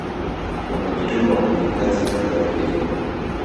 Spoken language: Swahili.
Wanajituma kwenye kazi hasa za kilimo